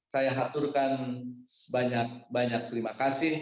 saya aturkan banyak banyak terima kasih